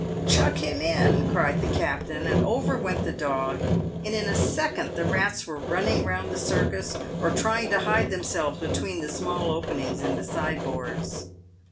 " Chuck him in," cried the captain ; and over went the dog, and in a second the rats were running round the circus, or trying to hide themselves between the small openings in the sideboards.